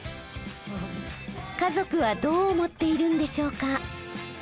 家族はどう思っているんでしょうか？